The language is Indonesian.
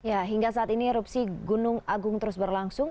ya hingga saat ini erupsi gunung agung terus berlangsung